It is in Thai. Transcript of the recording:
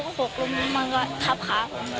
เขาก็มาช่วยครับ